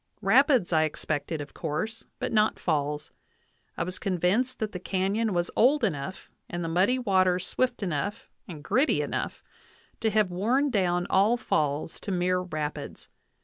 Rapids I expected of course, but not falls. I was convinced that the canyon was old enough and the muddy water swift enough and gritty enough to have worn down all falls to mere rapids.